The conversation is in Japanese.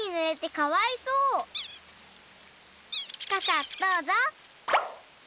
かさどうぞ。